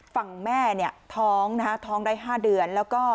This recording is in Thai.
ฝั่งแม่นี่ท้องท้องได้๕เดือน